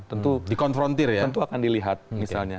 tentu akan dilihat misalnya